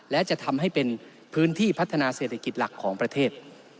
และจะทำให้เป็นพื้นที่พัฒนาเศรษฐกิจหลักของประเทศ